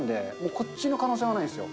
こっちの可能性はないんですよ。